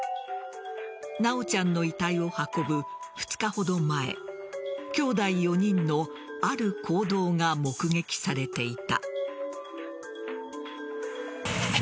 修ちゃんの遺体を運ぶ２日ほど前きょうだい４人のある行動が目撃されていた。